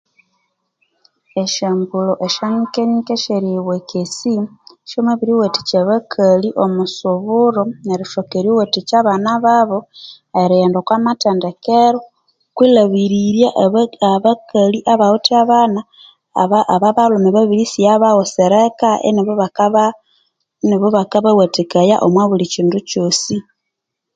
Esya mbulho esya nyike nyike esyeriyibweka esi syamabiriwathikya abakali omo suburu nerithoka eriwathikya abana babo erighenda okwa mathendekero kwilhabirirya aba abakali abawithe abana aba aba balhume babiri sigha ba bawusireka eka inibo bakaba inibo bakabawathikaya omobuli kyindu kyosi